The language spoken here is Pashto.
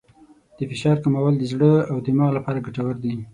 د فشار کمول د زړه او دماغ لپاره ګټور دي.